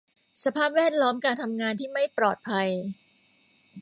สภาพแวดล้อมการทำงานที่ไม่ปลอดภัย